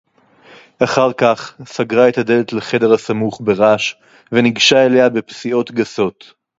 אַחַר כָּךְ, סָגְרָה אֶת הַדֶּלֶת לַחֶדֶר הַסָּמוּךְ בְּרַעַשׁ וְנִיגְּשָׁה אֵלֶיהָ בִּפְסִיעוֹת גַּסּוֹת.